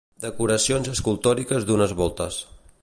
Decoracions escultòriques d'unes voltes.